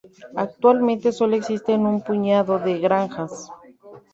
Actualmente sólo existen un puñado de granjas.